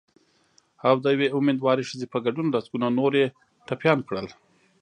او د یوې امېندوارې ښځې په ګډون لسګونه نور یې ټپیان کړل